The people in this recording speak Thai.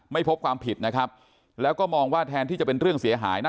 ไม่พบความผิดนะครับแล้วก็มองว่าแทนที่จะเป็นเรื่องเสียหายนะ